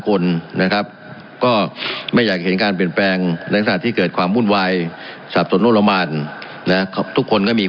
คนนะครับก็ไม่อยากเห็นการเปลี่ยนแปลงในลักษณะที่เกิดความวุ่นวายสับสนโลละมานนะทุกคนก็มี